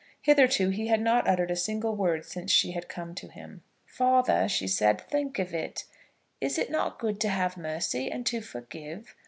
Hitherto he had not uttered a single word since she had come to him. "Father," she said, "think of it. Is it not good to have mercy and to forgive?